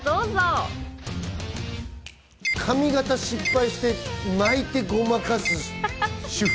髪形失敗して、巻いてごまかす主婦。